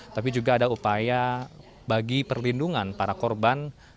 tidak ada upaya bagi perlindungan para korban